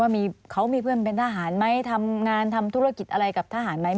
เขามีเพื่อนเป็นทหารไหมทำงานทำธุรกิจอะไรกับทหารไหม